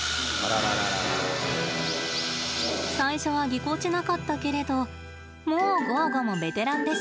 最初は、ぎこちなかったけれどもうゴーゴもベテランです。